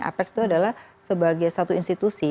apex itu adalah sebagai satu institusi